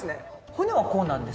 骨はこうなんですね。